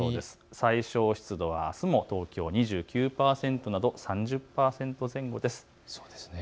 最小湿度はあすも東京２９％など３０％前後です。